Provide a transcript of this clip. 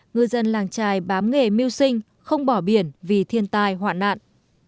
ngư dân làng trài bám nghề mưu sinh không bỏ biển vì thiên tai hoạn nạn